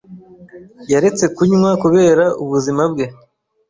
Yaretse kunywa kubera ubuzima bwe.